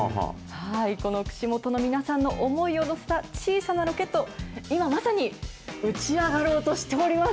この串本の皆さんの思いを乗せた小さなロケット、今まさに打ち上がろうとしております。